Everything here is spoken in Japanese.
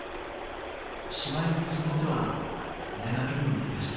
しまいにその手は骨だけになりました。